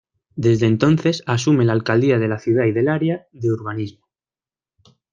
Desde entonces asume la alcaldía de la ciudad y del área de urbanismo.